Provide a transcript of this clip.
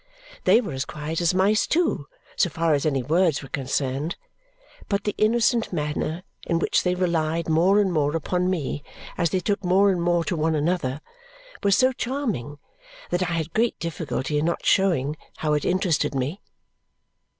They were as quiet as mice too, so far as any words were concerned, but the innocent manner in which they relied more and more upon me as they took more and more to one another was so charming that I had great difficulty in not showing how it interested me.